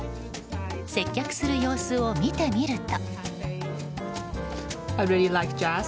接客する様子を見てみると。